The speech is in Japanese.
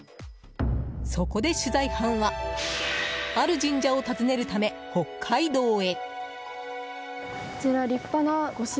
そこで取材班はある神社を訪ねるため、北海道へ。